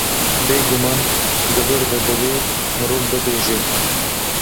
Bêguman di vir de divê mirov bibêje.